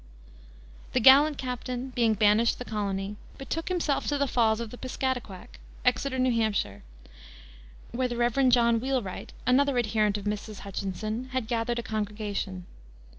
The gallant captain, being banished the colony, betook himself to the falls of the Piscataquack (Exeter, N. H.), where the Rev. John Wheelwright, another adherent of Mrs. Hutchinson, had gathered a congregation.